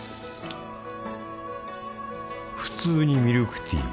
普通にミルクティー。